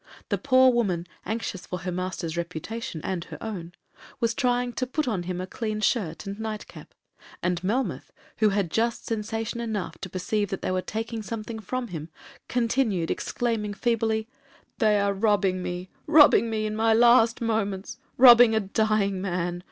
The poor woman, anxious for her master's reputation and her own, was trying to put on him a clean shirt and nightcap, and Melmoth, who had just sensation enough to perceive they were taking something from him, continued exclaiming feebly, 'They are robbing me,—robbing me in my last moments,—robbing a dying man.